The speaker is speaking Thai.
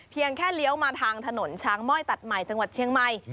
เพียงแค่เลี้ยวมาทางถนนช้างม่อยตัดใหม่จังหวัดเชียงใหม่